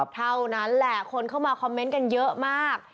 เท่านั้นแหละคนเข้ามาคอมเมนต์กันเยอะมาก